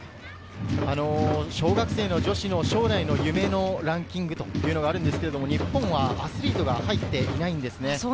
小学生の女子の将来の夢のランキング、日本はアスリートが入っていないんですね。